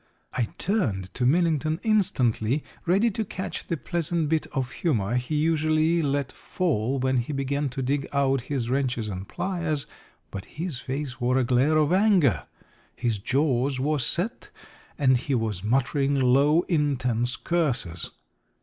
I turned to Milllington instantly, ready to catch the pleasant bit of humour he usually let fall when he began to dig out his wrenches and pliers, but his face wore a glare of anger. His jaws were set, and he was muttering low, intense curses.